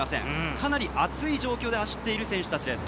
かなり暑い状況で走っている選手たちです。